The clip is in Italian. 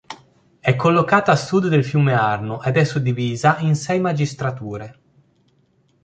È collocata a sud del fiume Arno ed è suddivisa in sei magistrature.